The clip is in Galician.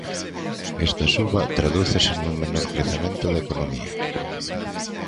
Esta suba tradúcese nun menor crecemento da economía.